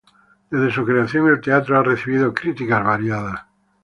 Desde su creación, el teatro ha recibido críticas variadas.